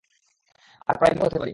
আর প্রাইভেটও হতে পারি।